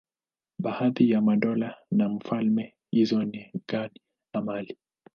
Baadhi ya madola na falme hizo ni Ghana na Mali.